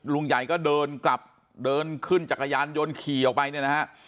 ลุงใหญ่ก็เดินกลับเดินขึ้นจักรยานยนต์ขี่ออกไปเนี่ยนะฮะ